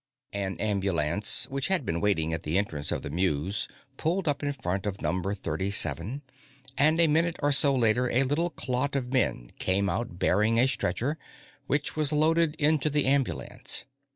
An ambulance which had been waiting at the entrance of the Mews pulled up in front of Number 37, and a minute or so later a little clot of men came out bearing a stretcher, which was loaded into the ambulance.